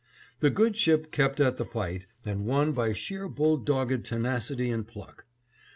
The good ship kept at the fight and won by sheer bulldogged tenacity and pluck.